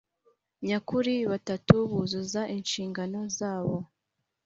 Nyakuri batatu buzuza inshingano zabo